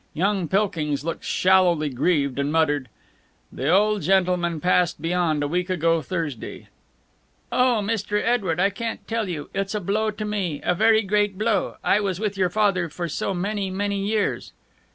Young Pilkings looked shallowly grieved and muttered, "The old gentleman passed beyond, a week ago Thursday." "Oh, Mr. Edward, I can't tell you It's a blow to me, a very great blow. I was with your father for so many, many years."